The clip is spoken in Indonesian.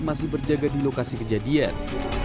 masih berjaga di lokasi kejadian